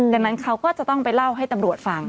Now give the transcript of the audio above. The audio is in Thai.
ดังนั้นเขาก็จะต้องไปเล่าให้ตำรวจฟัง